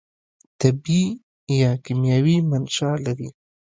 طبي یا کیمیاوي منشأ لري.